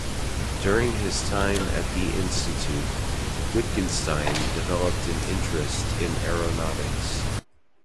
During his time at the Institute, Wittgenstein developed an interest in aeronautics.